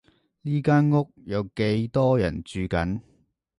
呢間屋有幾多人住緊？